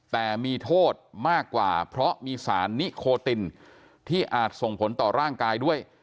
แต่มีโทษมากกว่าเพราะมีสารนิโคตินที่อาจส่งผลต่อร่างกายด้วย